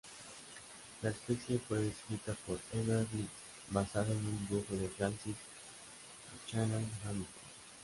La especie fue descrita por Edward Blyth basado en un dibujo de Francis Buchanan-Hamilton.